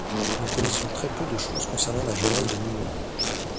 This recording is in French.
Nous connaissons très peu de chose concernant la jeunesse de Muño.